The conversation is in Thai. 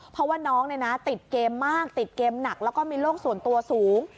เพราะว่าน้องติดเกมมากติดเกมหนักแล้วก็มีโรคส่วนตัวสูง